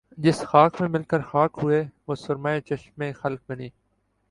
جس خاک میں مل کر خاک ہوئے وہ سرمۂ چشم خلق بنی